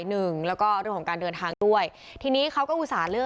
หนึ่งแล้วก็เรื่องของการเดินทางด้วยทีนี้เขาก็อุตส่าหเลือก